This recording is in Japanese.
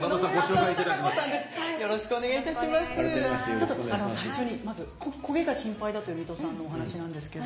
ちょっとまず焦げが心配だという三戸さんのお話なんですけど。